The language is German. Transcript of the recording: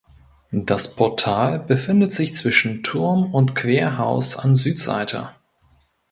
Das Portal befindet sich zwischen Turm und Querhaus an Südseite.